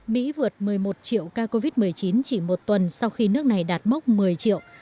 mỹ vượt một mươi một triệu ca covid một mươi chín chỉ một tuần sau khi nước này đạt mốc một mươi triệu